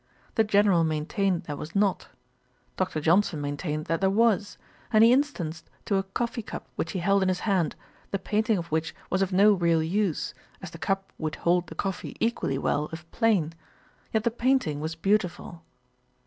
The General maintained there was not. Dr. Johnson maintained that there was; and he instanced a coffee cup which he held in his hand, the painting of which was of no real use, as the cup would hold the coffee equally well if plain; yet the painting was beautiful.